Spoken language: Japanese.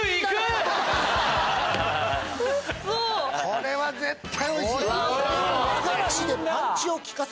これは絶対おいしい！